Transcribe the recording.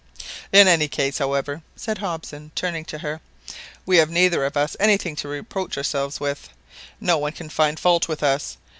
"In any case, however," said Hobson, turning to her, "we have neither of us anything to reproach ourselves with. No one can find fault with us.